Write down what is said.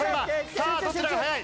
さあどちらが早い？